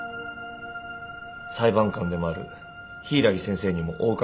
裁判官でもある柊木先生にもお伺いしたいんです。